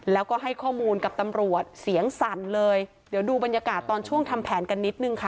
แล้วก็ให้ข้อมูลกับตำรวจเสียงสั่นเลยเดี๋ยวดูบรรยากาศตอนช่วงทำแผนกันนิดนึงค่ะ